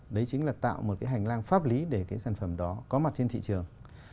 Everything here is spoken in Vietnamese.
đấy chính là tạo một cái hành lang pháp lý để cái sản phẩm đó có mặt trên thị trường